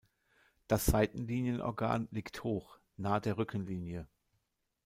Das Seitenlinienorgan liegt hoch, nah der Rückenlinie.